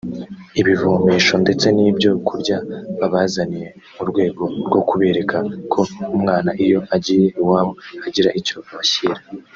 ibivomesho ndetse n’ibyo kurya babazaniye murwego rwo kubereka ko umwana iyo agiye iwabo agira icyo abashyira